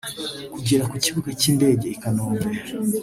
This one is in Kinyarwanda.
kigera ku kibuga cy’indege i Kanombe